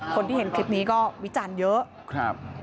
คนที่เห็นคลิปนี้ก็วิจันเยอะ